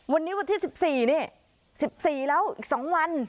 รบหมายข้องวิธีของโลงหลายเมื่อไหร่นี้สิบสี่แล้วอีกสองวัน